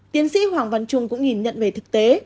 tiến sĩ hoàng văn trung cũng nhìn nhận về thực tế